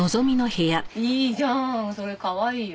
いいじゃんそれかわいいよ。